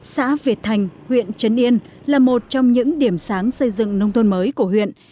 xã việt thành huyện trấn yên là một trong những điểm sáng xây dựng nông thôn mới của huyện